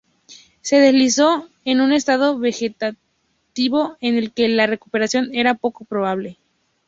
Se deslizó en un estado vegetativo en el que la recuperación era poco probable.